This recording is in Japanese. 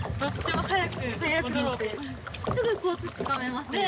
すぐコツつかめますね。